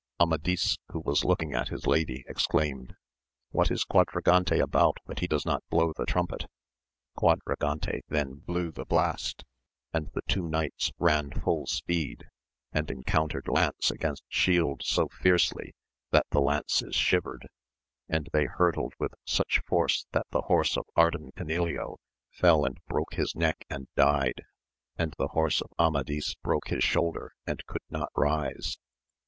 ^Amadis, who was looking at his lady, exclaimed, What is Quadragante about that he does not blow the trumpet ? Quadragante then blew the blast, and the two knights ran full speed, and encountered lance against shield so fiercely that the lances shivered, and they hurtled with such force that the horse of Ardan Canileo fell and broke his neck and died, and the horse of Amadis broke his shoulder and could not rise.